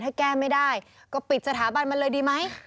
ถ้าแก้ไม่ได้ก็ปิดสถาบันมันเลยดีไหม